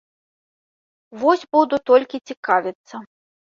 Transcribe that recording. Вось буду толькі цікавіцца.